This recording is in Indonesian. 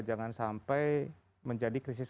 jangan sampai menjadi krisis